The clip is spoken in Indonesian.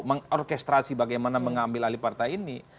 mengorkestrasi bagaimana mengambil alih partai ini